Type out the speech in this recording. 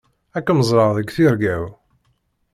Ad kem-ẓreɣ deg tirga-w.